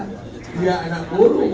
dia anak burung